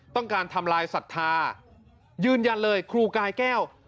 ต้องการทำลายศรัทธายืนยันเลยครูกายแก้ว